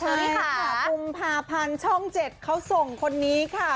ใช่ค่ะกุมภาพันช่อง๗เขาส่งคนนี้ค่ะ